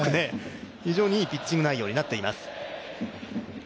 非常にいいピッチング内容になっています。